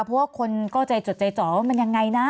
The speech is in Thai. เพราะว่าคนก็ใจจดใจจ่อว่ามันยังไงนะ